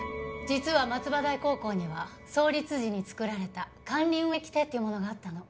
実は松葉台高校には創立時に作られた管理運営規定というものがあったの。